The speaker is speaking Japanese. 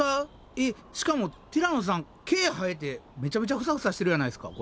えっしかもティラノさん毛生えてめちゃめちゃフサフサしてるやないですかこれ。